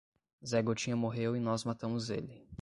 Zé Gotinha morreu e nós matamos ele.